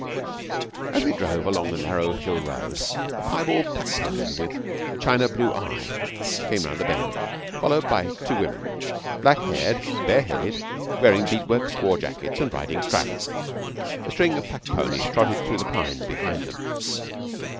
As we drove along the narrow hill road a piebald pack pony with a china blue eye came round a bend, followed by two women, black haired, bare headed, wearing beadwork squaw jackets, and riding straddle. A string of pack ponies trotted through the pines behind them.